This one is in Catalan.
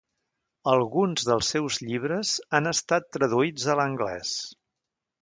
Alguns dels seus llibres han estat traduïts a l'anglès.